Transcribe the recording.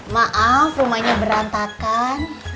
maaf rumahnya berantakan